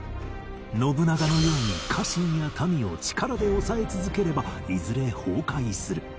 信長のように家臣や民を力で抑え続ければいずれ崩壊する